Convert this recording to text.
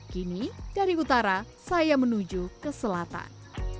kini dari utara saya menuju ke selatan